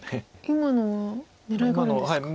今のは狙いがあるんですか。